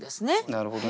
なるほどね。